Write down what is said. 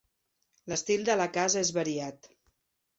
L'estil de la casa és variat.